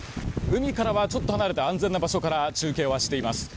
海からはちょっと離れた安全な場所から中継はしています。